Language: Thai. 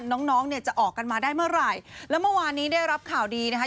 น้องน้องเนี่ยจะออกกันมาได้เมื่อไหร่แล้วเมื่อวานนี้ได้รับข่าวดีนะคะ